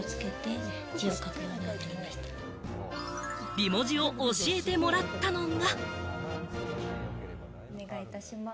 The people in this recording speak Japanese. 美文字を教えてもらったのが。